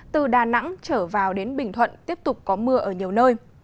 từ đà nẵng trở vào đến bình thuận tiếp tục có mưa ở nhiều nơi